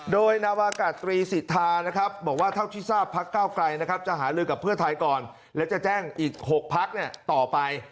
โดยนาวากาตรีสิทธานะครับบอกว่าเท่าที่ทราบพักเก้าไกลนะครับจะหาลือกับเพื่อไทยก่อนและจะแจ้งอีก๖พักต่อไป